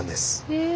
へえ。